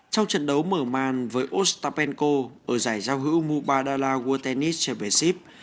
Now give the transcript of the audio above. trong trận đấu mở màn với ostapenko ở giải giao hữu mubadala world tennis championship